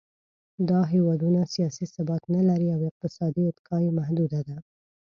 دا هېوادونه سیاسي ثبات نهلري او اقتصادي اتکا یې محدوده ده.